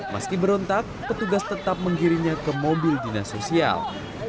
meski berontak petugas tetap menggirinya ke mobil dinas sosial